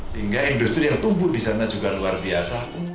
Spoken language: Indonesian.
sehingga industri yang tumbuh di sana juga luar biasa